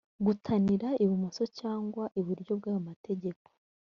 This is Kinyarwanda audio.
gutanira ibumoso cyangwa iburyo bw’ayo mategeko;